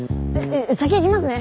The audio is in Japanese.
先行きますね。